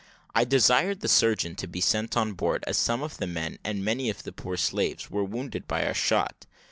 I desired the surgeon to be sent on board, as some of the men, and many of the poor slaves, were wounded by our shot.